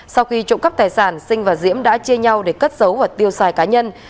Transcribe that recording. sau khi trộn cắp tài sản sinh và diễm đã chê nhau để cất dấu và tiêu xài cá nhân